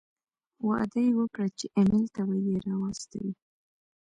وعده یې وکړه چې ایمېل ته به یې را واستوي.